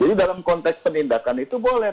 jadi dalam konteks penindakan itu boleh